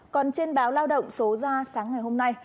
còn trên báo lao động số ra sáng ngày hôm nay